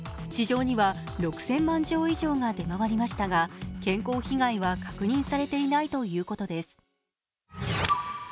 市場には６０００万錠以上が出回りましたが健康被害は確認されていないということです。